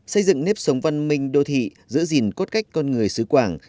xây dựng nếp sống văn minh đô thị giữ gìn cốt cách con người xứ quảng